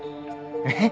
えっ？